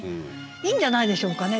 いいんじゃないでしょうかね。